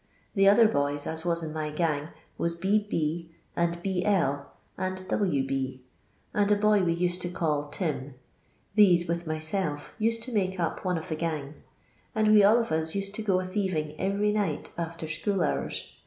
The other boys, as was in my gang, was B fi , and B — L , and W B , and a boy we used to call 'Tim;' these, with myself, used to make up one of the gangs, and we all of us used to go a thieving every night after school hours.